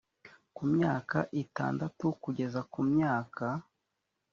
ku myaka itandatu kugeza ku myaka